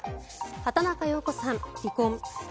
畑中葉子さん、離婚。